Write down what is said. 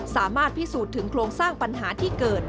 สามารถพิสูจน์ถึงโครงสร้างปัญหาที่เกิด